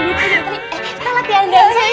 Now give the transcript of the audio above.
kita latihan dan sayu